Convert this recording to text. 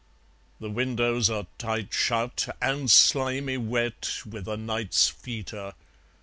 The windows are tight shut and slimy wet With a night's foetor.